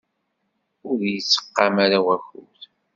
Ur d-yettqam ara wakud.